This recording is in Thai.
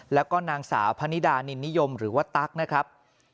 แล้วก็นางสาวพนิดานินนิยมหรือว่าตั๊กนะครับ